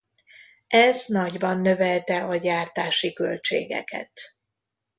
Ez nagyban növelte a gyártási költségeket.